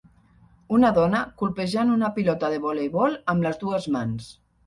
Una dona colpejant una pilota de voleibol amb les dues mans.